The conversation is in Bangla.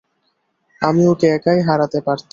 আমি ওকে একাই হারাতে পারতাম।